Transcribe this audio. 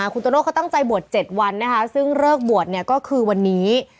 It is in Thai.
คุณโตโน่ตั้งใจบวช๗วันซึ่งเริ่มรอบวนก็คือวันนี้